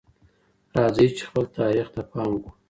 راځئ چي خپل تاریخ ته پام وکړو.